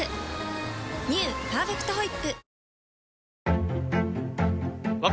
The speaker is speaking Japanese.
「パーフェクトホイップ」